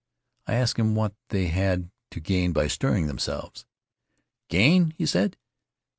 I asked him what they had to gam by stirring tliem selve>. "Gain?" he said.